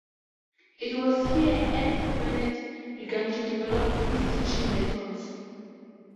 It was here that Freinet began to develop his teaching methods.